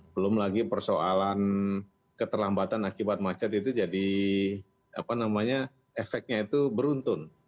belum lagi persoalan keterlambatan akibat macet itu jadi efeknya itu beruntun